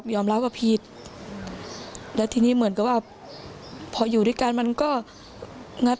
เราก็เงียบไง